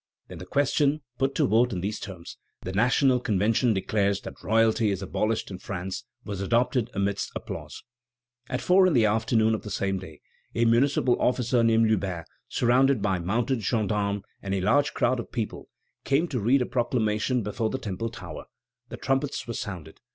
Then the question, put to vote in these terms: "The National Convention declares that royalty is abolished in France," was adopted amidst applause. At four in the afternoon of the same day, a municipal officer named Lubin, surrounded by mounted gendarmes and a large crowd of people, came to read a proclamation before the Temple tower. The trumpets were sounded.